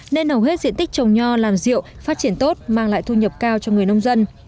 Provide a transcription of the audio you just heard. nên hầu hết diện tích trồng nho làm rượu phát triển tốt mang lại thu nhập cao cho người nông dân